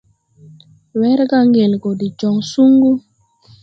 Wɛrga ŋgel gɔ de jɔŋ suŋgu.